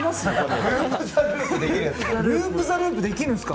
ループ・ザ・ループできますか？